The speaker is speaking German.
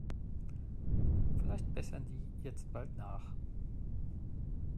Vielleicht bessern die jetzt bald nach.